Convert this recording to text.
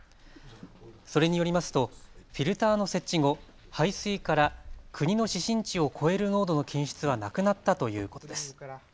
それによりますとフィルターの設置後、排水から国の指針値を超える濃度の検出はなくなったということです。